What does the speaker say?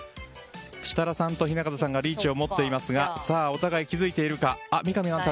設楽さんと雛形さんがリーチを持っていますがお互い気づいているか。